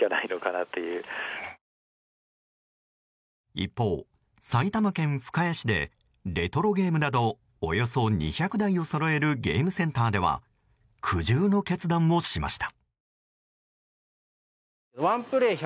一方、埼玉県深谷市でレトロゲームなどおよそ２００台をそろえるゲームセンターでは苦渋の決断をしました。